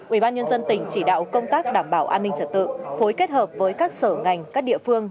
ubnd tỉnh chỉ đạo công tác đảm bảo an ninh trật tự phối kết hợp với các sở ngành các địa phương